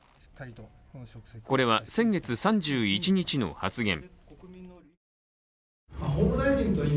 これは、先月３１日の発言。